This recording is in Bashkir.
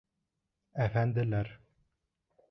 Әфәнделәр!